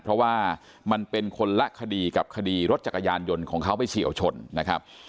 เพราะว่ามันเป็นคนละคดีกับคดีรถจักรยานยนต์ของเขาไปเฉียวชนนะครับ